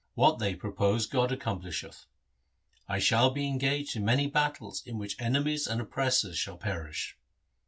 What they propose God accomplisheth. I shall be engaged in many battles in which enemies and oppressors shall perish.'